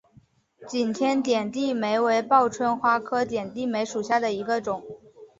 景天点地梅为报春花科点地梅属下的一个种。